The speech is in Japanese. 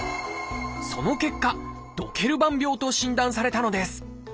その結果「ドケルバン病」と診断されたのです。